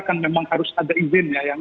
kan memang harus ada izinnya yang